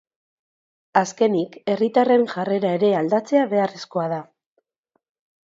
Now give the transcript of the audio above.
Azkenik, herritarren jarrera ere aldatzea beharrezkoa da.